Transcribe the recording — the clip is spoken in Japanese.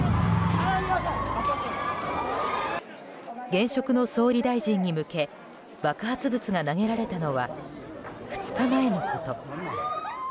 現職の総理大臣に向け爆発物が投げられたのは２日前のこと。